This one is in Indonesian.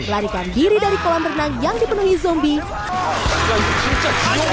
melarikan diri dari kolam renang yang dipenuhi zombie